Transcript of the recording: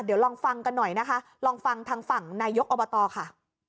เดี๋ยวลองฟังกันหน่อยนะคะลองฟังทางฝั่งนายกอบตค่ะ